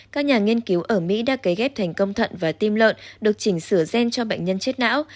các nhà nghiên cứu ở mỹ đã cấy ghép thành công thận và tim lợn được chỉnh sửa gen cho bệnh nhân chết não